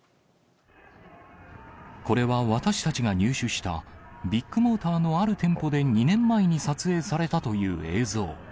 これは私たちが入手した、ビッグモーターのある店舗で２年前に撮影されたという映像。